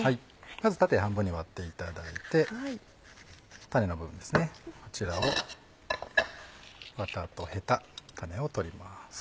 まず縦半分に割っていただいて種の部分こちらをわたとヘタ種を取ります。